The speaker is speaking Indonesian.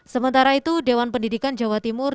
sementara itu dewan pendidikan jawa timur